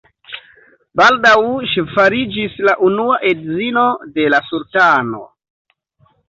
Baldaŭ ŝi fariĝis la Unua edzino de la sultano.